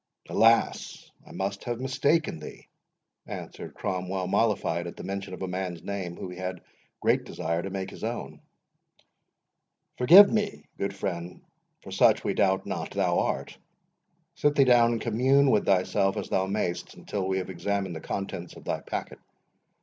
"Alas, I must have mistaken thee," answered Cromwell, mollified at the mention of a man's name whom he had great desire to make his own; "forgive us, good friend, for such, we doubt not, thou art. Sit thee down, and commune with thyself as thou may'st, until we have examined the contents of thy packet.